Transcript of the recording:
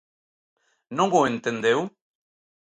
¿Non o entendeu?